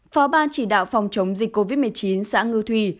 phó ban chỉ đạo phòng chống dịch covid một mươi chín xã ngư thủy